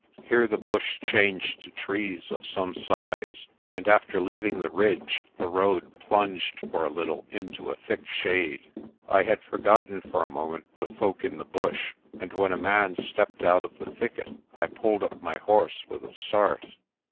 Here the bush changed to trees of some size, and after leav ing the ridge the road plunged for a little into a thick shade. I had forgotten for a moment the folk in the bush, and when a man stepped out of the thicket I pulled up my horse with a start.